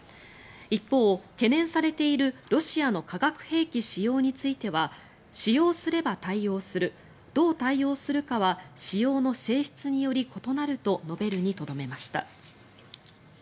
一方、懸念されているロシアの化学兵器使用については使用すれば対応するどう対応するかは使用の性質により異なると述べるにとどめました。